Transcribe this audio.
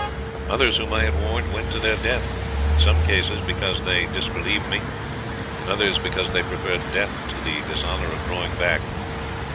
"Others whom I had warned went to their death, in some cases because they disbelieved me, in others because they preferred death to the dishonour of drawing back.